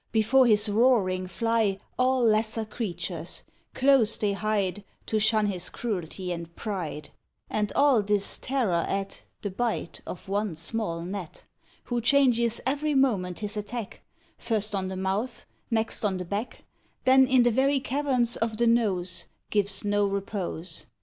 Before his roaring fly All lesser creatures; close they hide To shun his cruelty and pride: And all this terror at The bite of one small Gnat, Who changes every moment his attack, First on the mouth, next on the back; Then in the very caverns of the nose, Gives no repose.